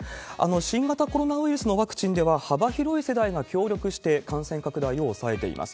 新型コロナウイルスのワクチンでは、幅広い世代が協力して感染拡大を抑えています。